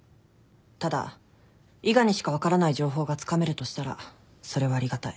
ただ伊賀にしか分からない情報がつかめるとしたらそれはありがたい。